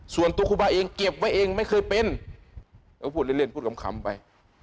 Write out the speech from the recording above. ส่วนตุ๊กบราเองเก็บไว้เองไม่เคยเป็นเอาให้พูดเล่นพูดขำไป